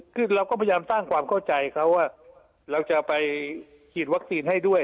คือเราก็พยายามสร้างความเข้าใจเขาว่าเราจะไปฉีดวัคซีนให้ด้วย